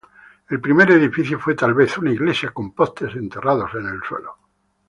El primer edificio fue tal vez una iglesia con postes enterrados en el suelo.